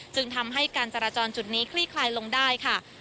จึงทำให้การจราจรจุดนี้คลี่คลายลงได้ค่ะ